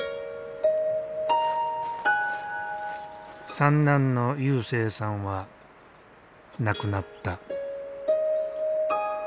三男の勇征さんは亡くなった。